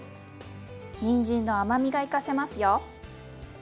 にんじんの甘みが生かせますよ。